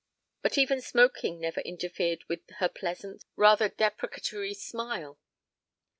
But even smoking never interfered with her pleasant, rather deprecatory, smile.